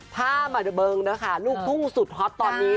ท่าหมดเบิ่งนะคะลูกทุ่งสุดฮอตตอนนี้